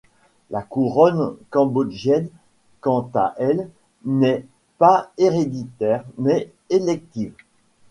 La couronne cambodgienne quant à elle n'est pas héréditaire mais élective.